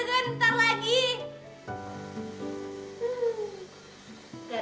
gak pake singer